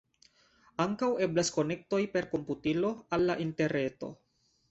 Ankaŭ eblas konektoj per komputilo al la interreto.